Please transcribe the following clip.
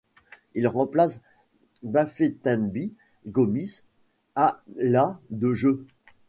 Il remplace Bafétimbi Gomis à la de jeu.